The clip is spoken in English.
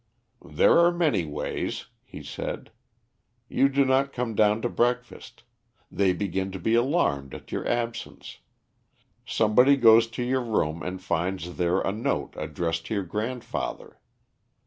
"There are many ways," he said. "You do not come down to breakfast. They begin to be alarmed at your absence. Somebody goes to your room and finds there a note addressed to your grandfather.